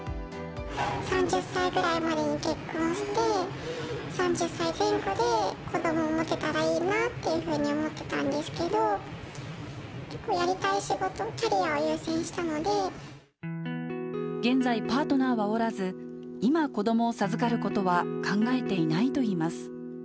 ３０歳くらいまでに結婚して、３０歳前後で子どもを持てたらいいなというふうに思ってたんですけど、やりたい仕事、現在、パートナーはおらず、今、子どもを授かることは考えていないといいます。